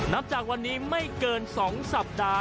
นับจากวันนี้ไม่เกิน๒สัปดาห์